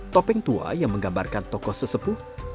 topeng tua yang menggambarkan tokoh sesepuh